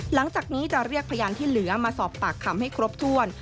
หลังจากนี้จะเรียกพยานที่เหลือมาสอบปากคำให้ครบถ้วน